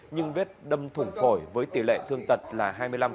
nhưng vết đâm thủng phổi với tỷ lệ thương tật là hai mươi năm